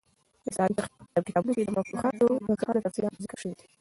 د اسلامي فقهي په کتابو کښي د مفتوحانو تفصیلات ذکر سوي دي.